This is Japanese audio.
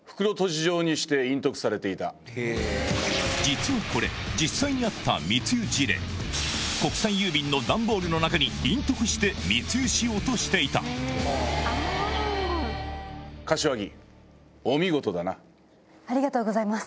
実はこれ国際郵便の段ボールの中に隠匿して密輸しようとしていた柏木。